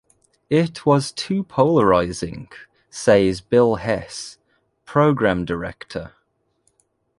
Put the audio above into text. "It was too polarizing," says Bill Hess, program director.